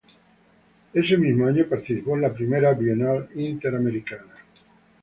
Ese mismo año participó en la Primera Bienal Interamericana.